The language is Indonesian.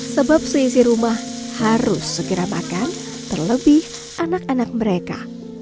sebab seisi rumah harus segera makan terlebih anak anak mereka